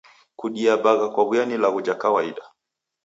Kudia bagha kowuya ni ilagho ja kawaida.